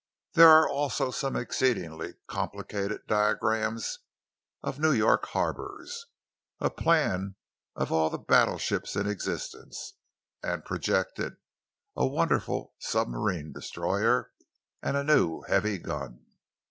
There are also some exceedingly complicated diagrams of New York harbours, a plan of all the battleships in existence and projected, a wonderful submarine destroyer, and a new heavy gun.